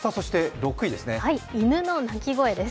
犬の鳴き声です。